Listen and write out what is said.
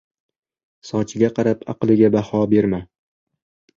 • Sochiga qarab aqliga baho berma.